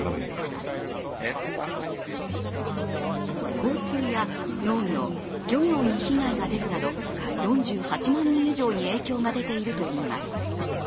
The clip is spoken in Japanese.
交通や農業、漁業に被害が出るなど４８万人以上に影響が出ているといいます。